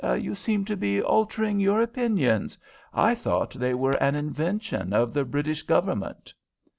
"You seem to be altering your opinions. I thought they were an invention of the British Government."